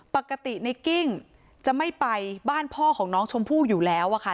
ปกติในกิ้งจะไม่ไปบ้านพ่อของน้องชมพู่อยู่แล้วอะค่ะ